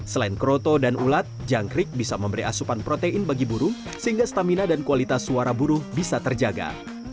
selain kroto dan ulat jangkrik bisa memberi asupan protein bagi burung sehingga stamina dan kualitas suara buruh bisa terjaga